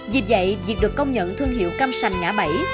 vì vậy việc được công nhận thương hiệu cam sành ngã bảy